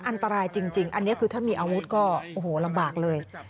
อันตรายจริงอันนี้คือถ้ามีอาวุธก็โอ้โหลำบากเลย